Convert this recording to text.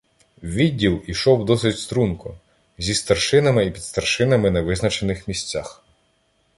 Відділ ішов досить струнко, зі старшинами і підстаршинами на визначених місцях.